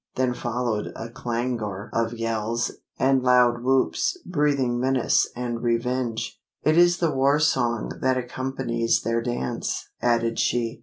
Then followed a clangour of yells, and loud whoops, breathing menace and revenge. "It is the war song that accompanies their dance," added she.